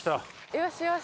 よしよし。